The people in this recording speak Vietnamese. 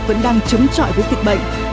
vẫn đang chấm trọi với việc bệnh